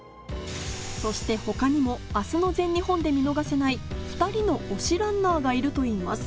そして他にも明日の全日本で見逃せない２人の推しランナーがいると言います